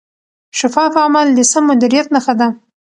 شفاف عمل د سم مدیریت نښه ده.